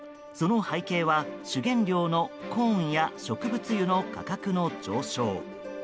その背景は、主原料のコーンや植物油の価格の上昇。